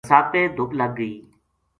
نساپے دُھپ لگ گئی